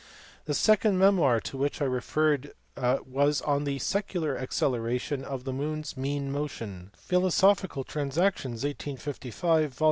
The second memoir to which I referred was on the secular acceleration of the moon s mean motion (Philosophical Trans actions, 1855, vol.